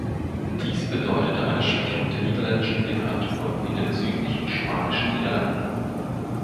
Dies bedeutete eine Schwächung der niederländischen Literatur in den südlichen Spanischen Niederlanden.